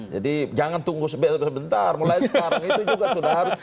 jadi jangan tunggu sebentar mulai sekarang itu juga sudah harus